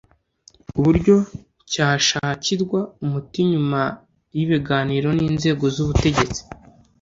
uburyo cyashakirwa umuti Nyuma y ibiganiro n inzego z ubutegetsi